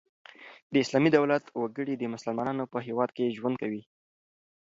د اسلامي دولت وګړي د مسلمانانو په هيواد کښي ژوند کوي.